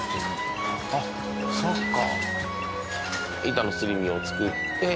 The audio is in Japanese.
あっそっか。